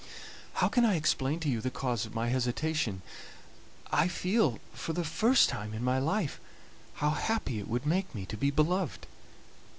How can I explain to you the cause of my hesitation? I feel, for the first time in my life, how happy it would make me to be beloved.